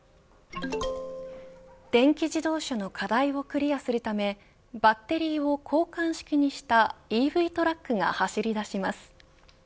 電気自動車の課題をクリアするためバッテリーを交換式にしたＥＶトラックが走り出します。